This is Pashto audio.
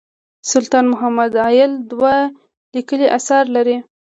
سلطان محمد عايل دوه لیکلي اثار لري.